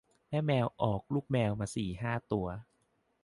แม่แมวออกลูกแมวมาสี่ห้าตัว